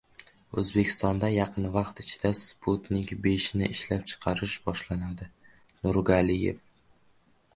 O‘zbekistonda yaqin vaqt ichida "Sputnik V"ni ishlab chiqarish boshlanadi — Nurgaliyev